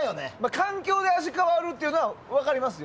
環境で味が変わるってのは分かりますよ。